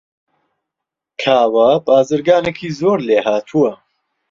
کاوە بازرگانێکی زۆر لێهاتووە.